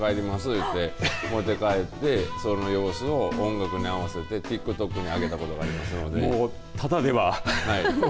言うて持って帰ってその様子を音楽に合わせてＴｉｋＴｏｋに上げたことがもう、ただでは。